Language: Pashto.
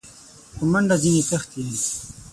په منډه ځني تښتي !